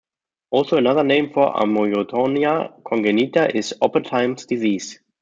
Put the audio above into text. Also, another name for amyotonia congenita is "Oppenheim's disease".